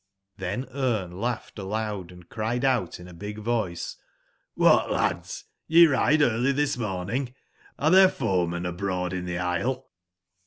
^hen Brne laughed aloud and cried out in a big voice :^hat, lads t ye ride early this morn ing ; are there foemen abroad in the isle